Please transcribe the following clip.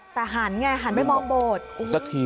แต่หันไงหันไปมองโบสถ์